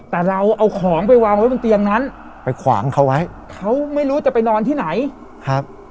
แต่เราเอาของไปวางไว้บนเตียงนั้นไปขวางเขาไว้เขาไม่รู้จะไปนอนที่ไหนครับ